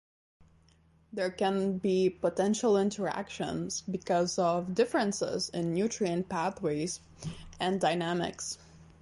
There can be potential interactions because of differences in nutrient pathways and dynamics.